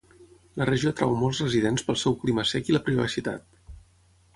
La regió atrau molts residents pel seu clima sec i la privacitat.